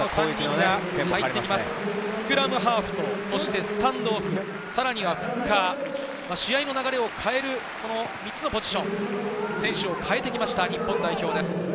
スクラムハーフとそしてスタンドオフ、さらにはフッカー、試合の流れを変える３つのポジション、選手を代えてきました、日本代表です。